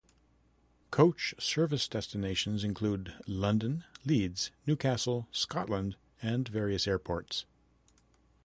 Coach service destinations include London, Leeds, Newcastle, Scotland and various airports.